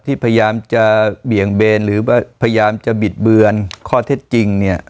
พยายามจะเบี่ยงเบนหรือว่าพยายามจะบิดเบือนข้อเท็จจริงเนี่ย